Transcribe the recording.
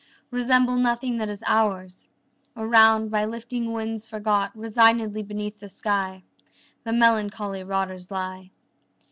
Resemble nothing that is ours. Around, by lifting winds forgot, Resignedly beneath the sky The melancholy waters lie.